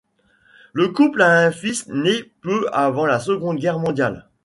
Le couple a un fils né peu avant la Seconde Guerre mondiale.